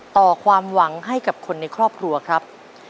ต่อความหวังให้กับคนในครอบครัวครับ